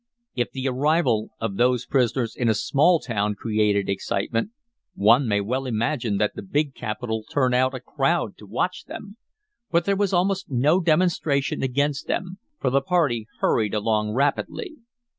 If the arrival of those prisoners in a small town created excitement, one may well imagine that the big capital turned out a crowd to watch them; but there was almost no demonstration against them, for the party hurried along rapidly.